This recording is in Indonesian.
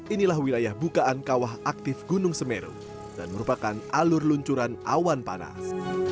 inilah wilayah bukaan kawah aktif gunung semeru dan merupakan alur luncuran awan panas